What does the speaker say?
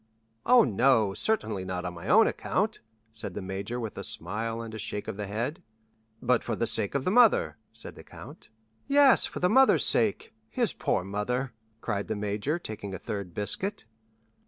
"Oh, no, certainly not on my own account," said the major with a smile and a shake of the head. "But for the sake of the mother?" said the count. "Yes, for the mother's sake—his poor mother!" cried the major, taking a third biscuit.